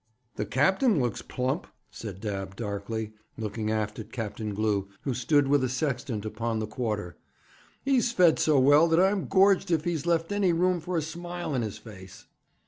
'The capt'n looks plump,' said Dabb darkly, looking aft at Captain Glew, who stood with a sextant upon the quarter. 'He's fed so well that I'm gorged if he's left any room for a smile in his face.'